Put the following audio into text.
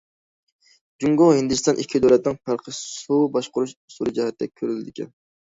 جۇڭگو، ھىندىستان ئىككى دۆلەتنىڭ پەرقى سۇ باشقۇرۇش ئۇسۇلى جەھەتتە كۆرۈلىدىكەن.